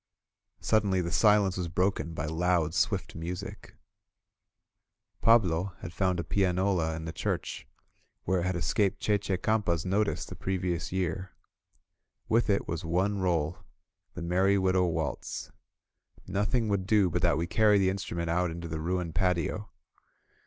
Suddenly the silence was broken by loud, swift music. Pablo had found a pianola in the church, where it had escaped Che Che Campa's notice the previous year ; with it was one roll, the "Merry Widow Waltz." Noth ing would do but that we carry the instrument out into the ruined patio.